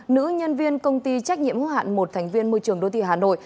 nữ nhân viên công ty trách nhiệm hữu hạn một thành viên môi trường đô tì hà nội